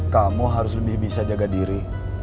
kamu harus lebih bisa jaga diri